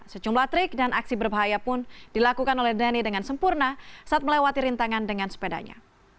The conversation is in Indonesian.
sejumlah trik dan aksi berbahaya pun dilakukan oleh dhani dengan sempurna saat melewati rintangan dengan sepedanya